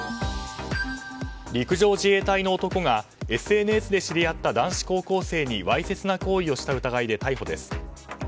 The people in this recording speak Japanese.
陸上自衛隊の男がＳＮＳで知り合った男子高校生にわいせつな行為をした疑いで逮捕です。